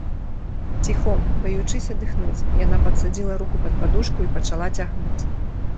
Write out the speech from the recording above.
Ціхом, баючыся дыхнуць, яна падсадзіла руку пад падушку і пачала цягнуць.